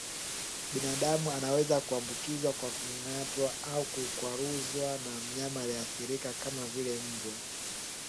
Binadamu anaweza kuambukizwa kwa kung'atwa au kukwaruzwa na mnyama aliyeathirika kama vile mbwa